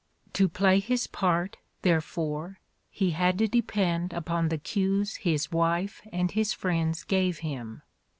To play his part, therefore, he had to depend upon the cues his wife and his friends gave him.